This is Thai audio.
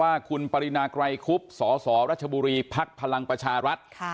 ว่าคุณปรินาไกรคุบสสรัชบุรีภักดิ์พลังประชารัฐ